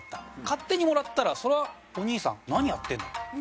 勝手にもらったらそれはお兄さん「何やってんの？」。